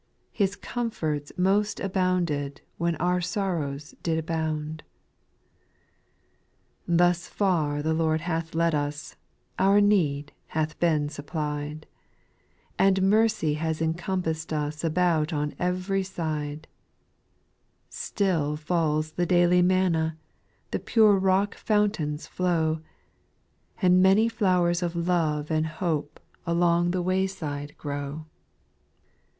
His comforts most abounded when our sor rows did abound. ■* 4. ' Thus far the Lord hath led us; our need hath been supplied, And mercy has encompassed us about on every side, Still falls the daily manna, the pure rock fountains flow, And many flowers o^ \o\g wcA \vq»^^ ^ikss^'?:> the wayside grov?